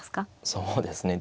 そうですね。